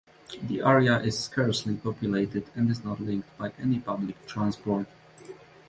The area is scarcely populated and is not linked by any public transport.